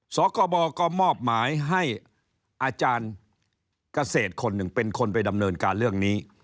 สกบก็มอบหมายให้อาจารย์เกษตรคนหนึ่งเป็นคนไปดำเนินการเรื่องนี้